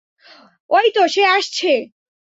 ওই তো, সে আসছে।